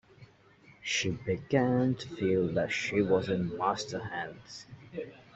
She began to feel that she was in master-hands.